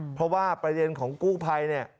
เพราะว่าประเด็นของกู้ภัยเนี่ย